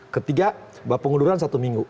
ketiga pengunduran satu minggu